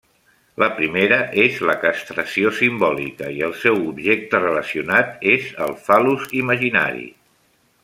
La primera és la castració simbòlica i el seu objecte relacionat és el fal·lus imaginari.